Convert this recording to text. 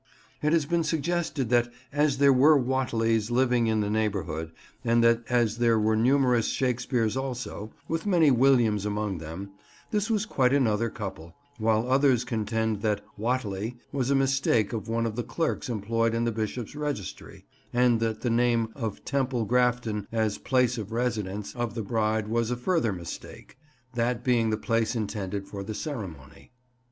It has been suggested that, as there were Whateleys living in the neighbourhood, and that as there were numerous Shakespeares also, with many Williams among them, this was quite another couple, while others contend that "Whateley" was a mistake of one of the clerks employed in the Bishop's registry, and that the name of Temple Grafton as "place of residence" of the bride was a further mistake, that being the place intended for the ceremony.